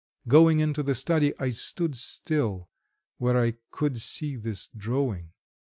Going into the study I stood still where I could see this drawing.